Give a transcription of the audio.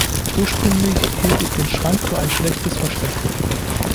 Ursprünglich hielt ich den Schrank für ein schlechtes Versteck.